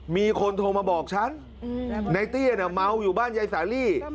มีคนโทงมาบอกฉันนายเตี้ยเนี่ยเม้าอยู่บ้านยายสาลี